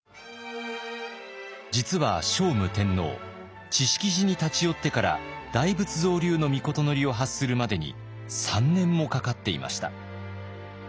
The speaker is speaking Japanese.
実は聖武天皇智識寺に立ち寄ってから大仏造立の詔を発するまでに３年もかかっていました。